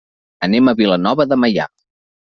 Anem a Vilanova de Meià.